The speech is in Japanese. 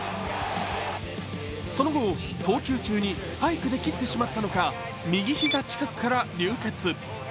その後、投球中にスパイクで切ってしまったのか、右膝近くから流血。